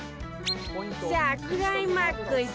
さあクライマックス